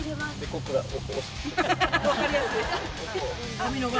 分かりやすい。